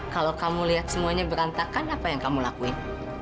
kalau kamu lihat semuanya berantakan apa yang kamu lakuin